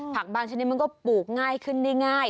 บางชนิดมันก็ปลูกง่ายขึ้นง่าย